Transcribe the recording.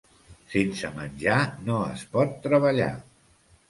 Sense menjar no es pot treballar.